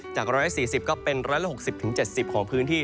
๑๔๐ก็เป็น๑๖๐๗๐ของพื้นที่